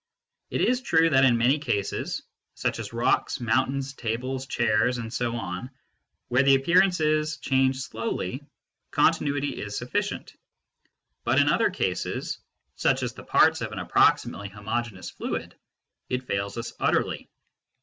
It is true that in many cases, such as rocks, mountains, tables, chairs, etc., where the appear ances change slowly, continuity is sufficient, but in other cases, such as the parts of an approximately homogeneous fluid, it fails us utterly.